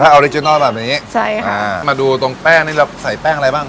ออริจินัลแบบนี้ใช่ค่ะอ่ามาดูตรงแป้งนี่เราใส่แป้งอะไรบ้าง